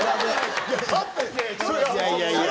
いやいやいやいや。